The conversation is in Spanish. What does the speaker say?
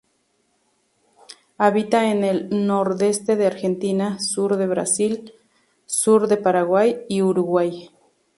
Habita en el nordeste de Argentina, sur de Brasil, sur de Paraguay y Uruguay.